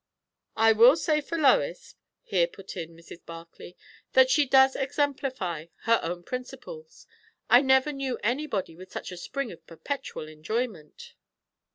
"I will say for Lois," here put in Mrs. Barclay, "that she does exemplify her own principles. I never knew anybody with such a spring of perpetual enjoyment."